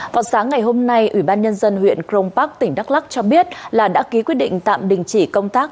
vào sáng ngày hôm nay ủy ban nhân dân huyện crong park tỉnh đắk lắc cho biết là đã ký quyết định tạm đình chỉ công tác